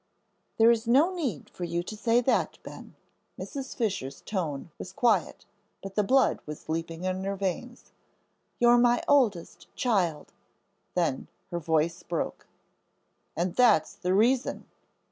"There is no need for you to say that, Ben." Mrs. Fisher's tone was quiet, but the blood was leaping in her veins. "You're my oldest child," then her voice broke. "And that's the reason."